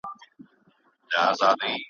پر لکړه مي بار کړی د ژوندون د لیندۍ پېټی `